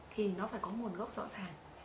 thì nó phải có nguồn gốc rõ ràng